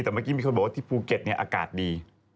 แต่เมื่อกี้มีคนบอกว่าที่ภูเก็ตอากาศดี